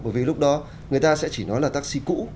bởi vì lúc đó người ta sẽ chỉ nói là taxi cũ